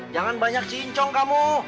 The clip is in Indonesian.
jangan banyak cincong kamu